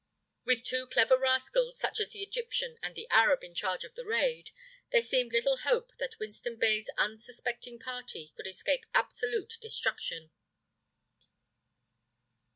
With two clever rascals such as the Egyptian and the Arab in charge of the raid, there seemed little hope that Winston Bey's unsuspecting party could escape absolute destruction.